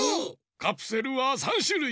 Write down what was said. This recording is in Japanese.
カプセルは３しゅるい。